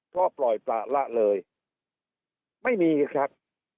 เพราะปล่อยประละเลยไม่มีครับ